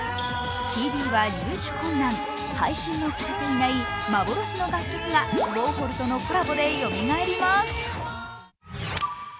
ＣＤは入手困難、配信のされていない幻の楽曲がウォーホルとのコラボでよみがえります。